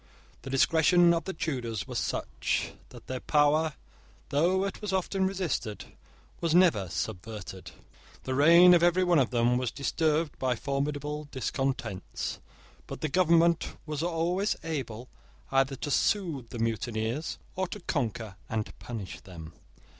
The discretion of the Tudors was such, that their power, though it was often resisted, was never subverted. The reign of every one of them was disturbed by formidable discontents: but the government was always able either to soothe the mutineers or to conquer and punish them.